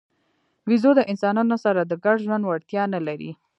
بیزو د انسانانو سره د ګډ ژوند وړتیا نه لري.